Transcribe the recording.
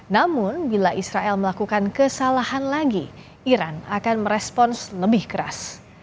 namun bila israel melakukan kesalahan lagi iran akan merespons lebih keras